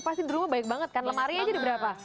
pasti di rumah banyak banget kan lemari aja di berapa